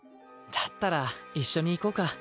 だったら一緒に行こうか。